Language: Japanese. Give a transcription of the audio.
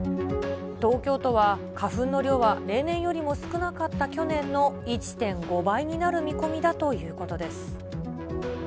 東京都は花粉の量は、例年よりも少なかった去年の１．５倍になる見込みだということです。